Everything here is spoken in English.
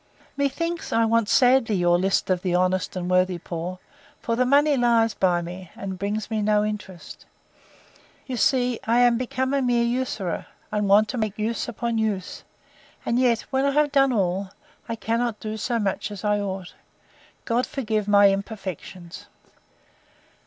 Methinks I want sadly your list of the honest and worthy poor; for the money lies by me, and brings me no interest. You see I am become a mere usurer; and want to make use upon use: and yet, when I have done all, I cannot do so much as I ought. God forgive my imperfections!